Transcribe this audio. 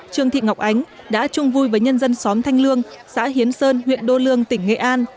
trương thị ngọc ánh đã chung vui với nhân dân xóm thanh lương xã hiến sơn huyện đô lương tỉnh nghệ an